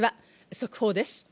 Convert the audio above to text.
速報です。